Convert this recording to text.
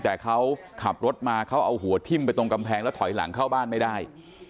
แต่เขาขับรถมาเขาเอาหัวทิ้มไปตรงกำแพงแล้วถอยหลังเข้าบ้านไม่ได้